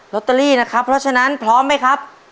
ตเตอรี่นะครับเพราะฉะนั้นพร้อมไหมครับ